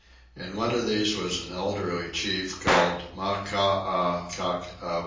In one of them was an elderly chief called Maccaackavow.